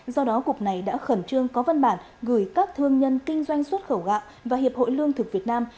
do đó cục này đã khẩn trương có văn bản gửi các thương nhân kinh doanh xuất khẩu gạo và hiệp hội lương thực việt nam